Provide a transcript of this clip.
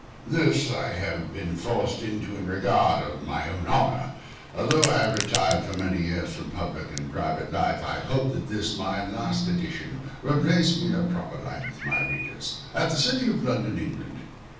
This I have been forced into in regard of my own honour, although I have retired for many years from public and private life; and I hope that this, my last edition, will place me in a proper light with my readers. AT THE CITY OF LONDON, ENGLAND.